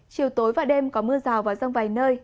chiều tối và đêm có mưa rào và rông vài nơi